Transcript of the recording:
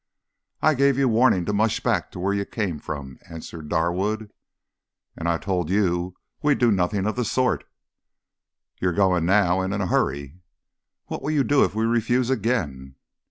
"I gave you warning to mush back to where you came from," answered Darwood. "And I told you we'd do nothing of the sort!" "You're going now, and in a hurry!" "What will you do if we refuse again?"